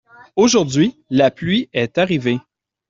Aujourd'hui, la pluie est arrivée